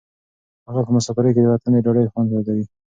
هغه په مسافرۍ کې د وطن د ډوډۍ خوند یادوي.